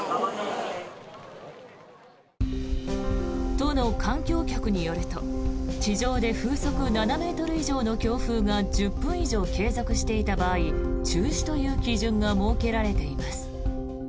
都の環境局によると地上で風速７ｍ以上の強風が１０分以上継続していた場合中止という基準が設けられています。